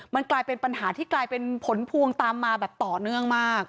มันกลายเป็นปัญหาที่กลายเป็นผลพวงตามมาแบบต่อเนื่องมาก